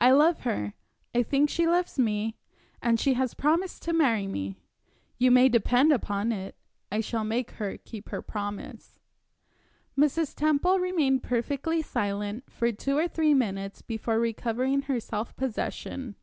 "I love her I think she loves me and she has promised to marry me. You may depend upon it, I shall make her keep her promise." Mrs. Temple remained perfectly silent for two or three minutes before recovering her self possession.